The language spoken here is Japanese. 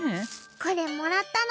これもらったの。